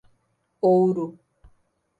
Ouro